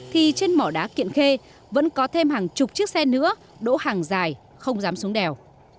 thì trên mỏ đá kiện khê vẫn có thêm hàng chục chiếc xe nữa đỗ hàng dài không dám xuống đèo